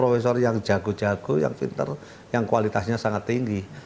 profesor yang jago jago yang pinter yang kualitasnya sangat tinggi